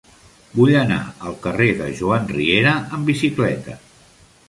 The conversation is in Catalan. Vull anar al carrer de Joan Riera amb bicicleta.